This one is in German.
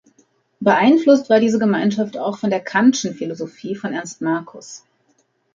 Beeinflusst war diese Gemeinschaft auch von der Kantschen Philosophie von Ernst Marcus.